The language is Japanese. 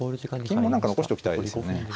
金も何か残しときたいですよね。